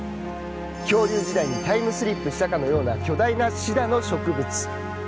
恐竜時代にタイムスリップしたかのような巨大なシダの植物。